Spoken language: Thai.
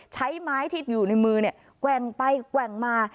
ใช้ไม้ที่อยู่ในมือแกว่งไปแกว่งมา